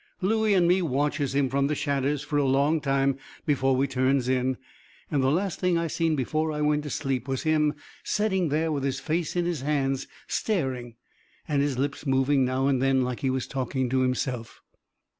Looey and me watches him from the shadders fur a long time before we turns in, and the last thing I seen before I went to sleep was him setting there with his face in his hands, staring, and his lips moving now and then like he was talking to himself.